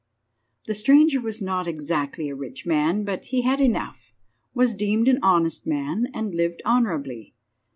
The stranger was not exactly a rich man, but he had enough, was deemed an honest man, and lived honourably.